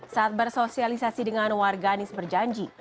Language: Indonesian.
saat bersosialisasi dengan warga anies berjanji